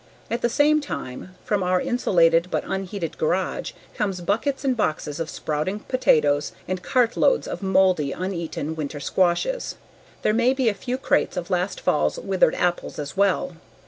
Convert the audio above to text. At the same time, from our insulated but unheated garage comes buckets and boxes of sprouting potatoes and cart loads of moldy uneaten winter squashes. There may be a few crates of last fall's withered apples as well.